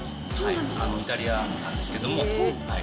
イタリアンなんですけれども。